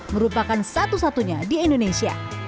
merupakan satu satunya di indonesia